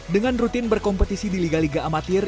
dengan rutin berkompetisi di liga liga amatir